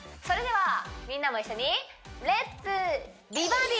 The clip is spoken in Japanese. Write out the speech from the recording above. それではみんなも一緒に！